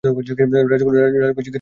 রাজলক্ষ্মী জিজ্ঞাসা করিলেন, কখন যাবি।